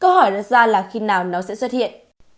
câu hỏi đặt ra là khi nào nó sẽ xuất hiện